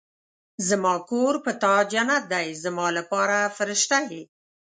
زما کور په تا جنت دی زما لپاره فرښته يې